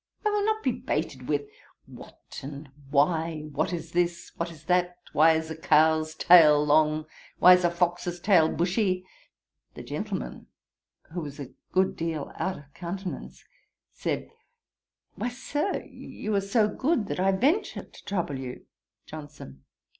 I will not be baited with what, and why; what is this? what is that? why is a cow's tail long? why is a fox's tail bushy?' The gentleman, who was a good deal out of countenance, said, 'Why, Sir, you are so good, that I venture to trouble you.' JOHNSON.